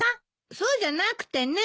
そうじゃなくてね。